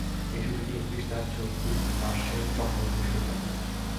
এ সুযোগে ইবলীস তাঁর চতুম্পার্শ্বে চক্কর দিতে শুরু করে।